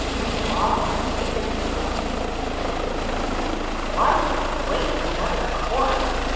'The law must take its course,' said he. 'What! wait another court!